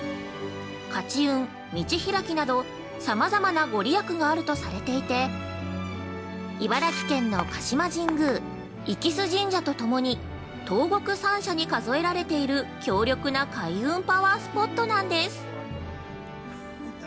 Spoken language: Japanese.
勝ち運、道開きなど、さまざまなご利益があるとされていて茨城県の鹿島神宮息栖神社と共に東国三社に数えられている強力な開運パワースポットなんです。